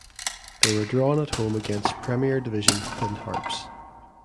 They were drawn at home against Premier Division Finn Harps.